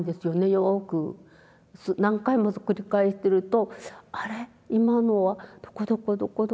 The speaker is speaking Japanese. よく何回も繰り返してるとあれ今のはどこどこどこどこって言った。